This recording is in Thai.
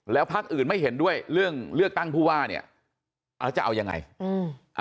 แล้วพักอื่นไม่เห็นด้วยเรื่องเลือกตั้งผู้ว่าเนี่ยเอาแล้วจะเอายังไงอืม